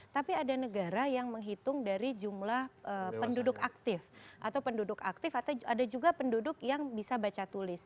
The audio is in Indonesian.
tapi ada negara yang menghitung dari jumlah penduduk aktif atau penduduk aktif atau ada juga penduduk yang bisa baca tulis